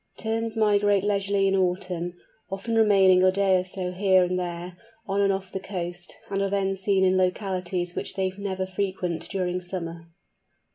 Terns migrate leisurely in autumn, often remaining a day or so here and there, on and off the coast, and are then seen in localities which they never frequent during summer.